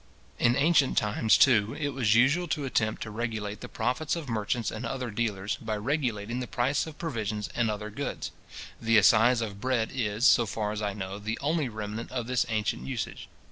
In ancient times, too, it was usual to attempt to regulate the profits of merchants and other dealers, by regulating the price of provisions and ether goods. The assize of bread is, so far as I know, the only remnant of this ancient usage.